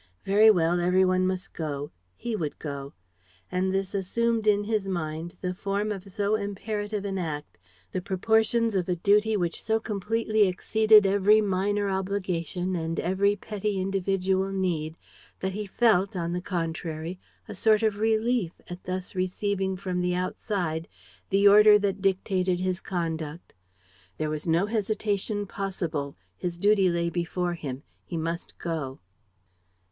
... Very well, every one must go; he would go. ... And this assumed in his mind the form of so imperative an act, the proportions of a duty which so completely exceeded every minor obligation and every petty individual need that he felt, on the contrary, a sort of relief at thus receiving from the outside the order that dictated his conduct. There was no hesitation possible. His duty lay before him: he must go.